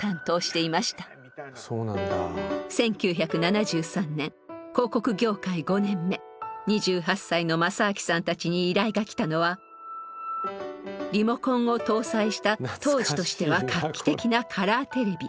１９７３年広告業界５年目２８歳の政昭さんたちに依頼が来たのはリモコンを搭載した当時としては画期的なカラーテレビ。